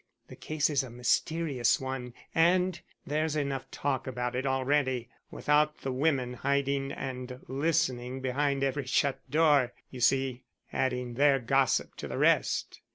The case is a mysterious one and there's enough talk about it already without the women hiding and listening behind every shut door you see, adding their gossip to the rest."